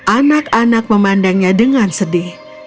anak anak memandangnya dengan sedih